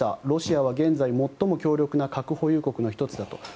ロシアは現在、最も強力な核保有国の１つだと。